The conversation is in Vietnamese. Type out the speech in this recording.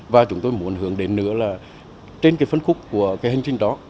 và chúng tôi muốn hướng đến nữa là trên cái phân khúc của cái hành trình đó